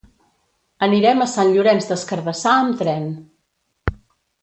Anirem a Sant Llorenç des Cardassar amb tren.